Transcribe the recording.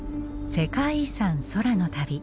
「世界遺産空の旅」。